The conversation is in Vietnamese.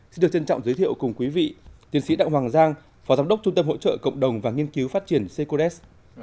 xin được trân trọng giới thiệu cùng quý vị tiến sĩ đặng hoàng giang phó giám đốc trung tâm hỗ trợ cộng đồng và nghiên cứu phát triển secode